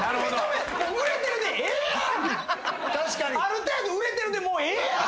ある程度売れてるでもうええやん！